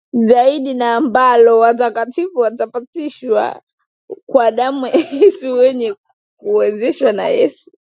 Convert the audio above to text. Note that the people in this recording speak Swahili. Zaidi na ambalo watakatifu watapatanishwa kwa damu ya Yesu mwenyewe na kuwezeshwa na Yesu